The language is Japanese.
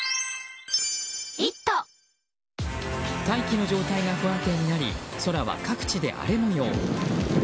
大気の状態が不安定になり空は各地で荒れ模様。